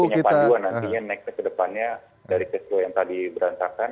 punya panduan nantinya nextnya ke depannya dari cash flow yang tadi berantakan